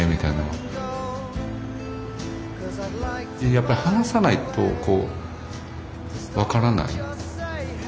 やっぱり話さないとこう分からない。